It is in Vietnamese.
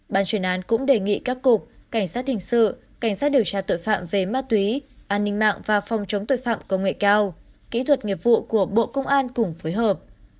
ban chuyên án cũng đề nghị các cục cảnh sát hình sự cảnh sát điều tra tội phạm về ma túy an ninh mạng và phòng chống tội phạm công nghệ cao kỹ thuật nghiệp vụ của bộ công an cùng phối hợp